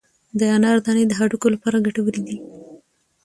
د انار دانې د هډوکو لپاره ګټورې دي.